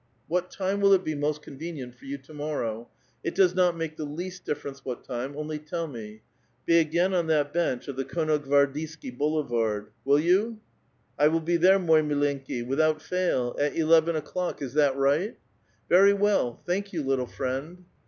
What time will it be most convenient for you to morrow ; it does not make the least difference what time, only tell me ; be again on that bench of the Konno Gvardiesky Boulevai'd. Will you?" '* I will be there, moi milenki^ without fail. At eleven o'clock ; is that right?" '' Very well ; thank you, little friend."